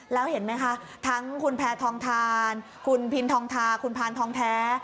แล้วเห็นไหมคะทั้งคุณแพทองทานคุณพินทองทาคุณพานทองแท้